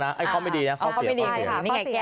หรือข้อไม่ดีเพราะเขาเสีย